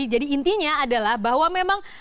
jadi intinya adalah bahwa memang